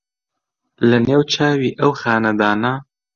لە نێو چاوی ئەو خانەدانە